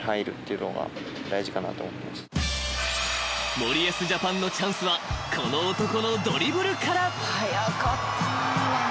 ［森保ジャパンのチャンスはこの男のドリブルから］